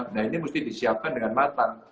nah ini mesti disiapkan dengan matang